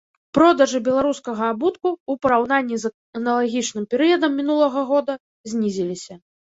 Продажы беларускага абутку ў параўнанні з аналагічным перыядам мінулага года знізіліся.